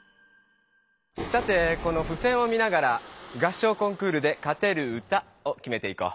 さてこのふせんを見ながら「合唱コンクールで勝てる歌」をきめていこう。